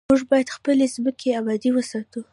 موږ باید خپلې ځمکې ابادې وساتو.